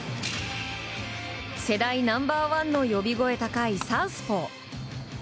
世代ナンバー１の呼び声高いサウスポー。